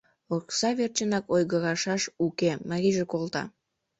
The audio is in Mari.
Окса верчынат ойгырышаш уке — марийже колта.